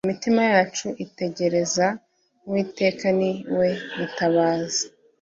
Imitima yacu itegereza uwiteka, ni we mutabazi